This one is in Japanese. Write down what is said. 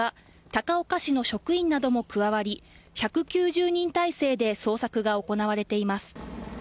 高岡市の職員なども加わり１９０人態勢で捜索が行われています。